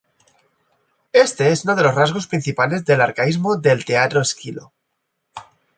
Éste es uno de los rasgos principales del arcaísmo del teatro de Esquilo.